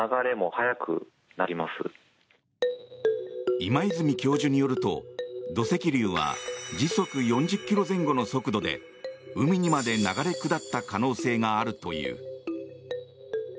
今泉教授によると土石流は時速４０キロ前後の速度で海にまで流れ下った可能性があるという。